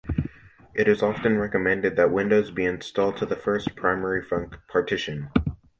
It is often recommended that Windows be installed to the first primary partition.